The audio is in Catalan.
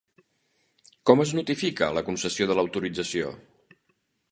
Com es notifica la concessió de l'autorització?